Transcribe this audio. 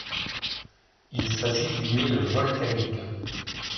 Il s'agit d'une île volcanique.